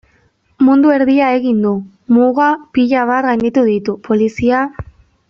Mundu erdia egin du, muga pila bat gainditu ditu, polizia...